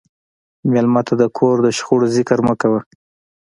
مېلمه ته د کور د شخړو ذکر مه کوه.